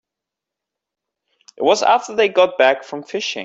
It was after they got back from fishing.